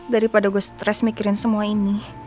daripada gue stres mikirin semua ini